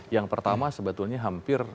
yang pertama sebetulnya hampir